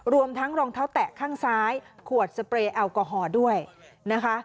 รวมทั้งรองเท้าแตะข้างซ้ายขวดสเปรย์แอลกอฮอล์ด้วยนะคะ